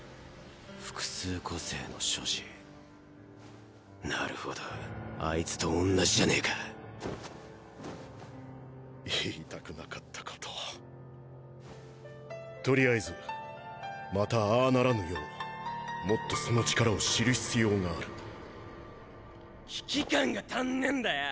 複数個性の所持なるほどあいつとおんなじじゃねえか言いたくなかった事をとりあえずまたああならぬようもっとその力を知る必要がある危機感が足ンねンだよ。